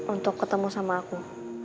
untuk ketemu sama aku